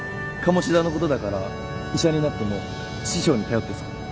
鴨志田のことだから医者になっても師匠に頼ってそう。